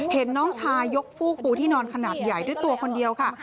เห็นน้องชายยกฟูกปูที่นอนขนาดใหญ่ด้วยตัวคนเดียวค่ะ